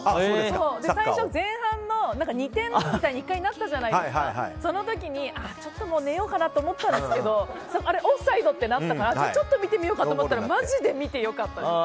最初、前半２点みたいに１回なったじゃないですかちょっと寝ようかと思ったらオフサイドってなったからちょっと見てみようとなったらマジで見て良かったです。